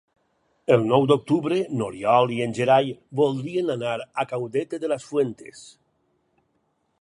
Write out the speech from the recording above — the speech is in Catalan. El nou d'octubre n'Oriol i en Gerai voldrien anar a Caudete de las Fuentes.